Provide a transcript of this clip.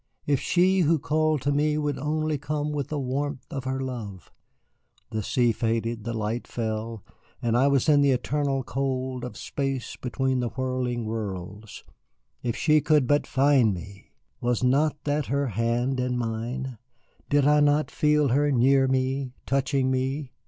If she who called to me would only come with the warmth of her love! The sea faded, the light fell, and I was in the eternal cold of space between the whirling worlds. If she could but find me! Was not that her hand in mine? Did I not feel her near me, touching me?